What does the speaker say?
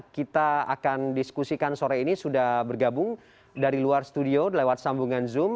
kita akan diskusikan sore ini sudah bergabung dari luar studio lewat sambungan zoom